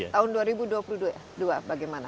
tahun dua ribu dua puluh dua bagaimana